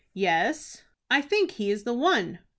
"Yes." "I think he is the one.